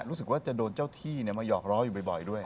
รู้สึกว่าจะโดนเจ้าที่มาหยอกล้ออยู่บ่อยด้วย